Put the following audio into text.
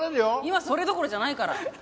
今それどころじゃないから。